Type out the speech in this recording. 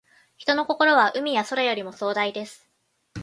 人の心は、海や空よりも壮大です。